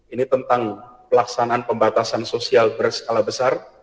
ini tentang pelaksanaan pembatasan sosial berskala besar